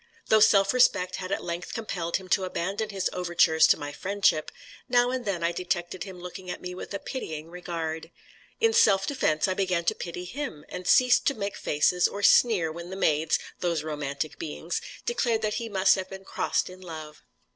Though self respect had at length compelled him to abandon his overtures to my friendship, now and then I detected him looking at me with a pitying regard. In self defence, I began to pity him, and ceased to make faces or sneer when the maids those romantic beings declared that he must have been crossed in love.